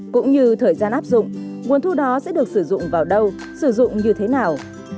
cũng như thời gian áp dụng nguồn thu đó sẽ được sử dụng vào đâu sử dụng như thế nào